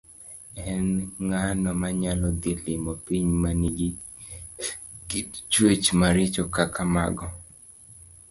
En ng'ano manyalo dhi limo piny ma nigi kit chwech maricho kaka mago?